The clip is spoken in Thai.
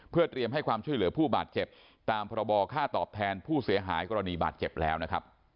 เพื่อเตรียมให้ความช่วยเหลือผู้บาดเจ็บตามพรบค่าตอบแทนผู้เสียหายกรณีบาดเจ็บแล้วนะครับ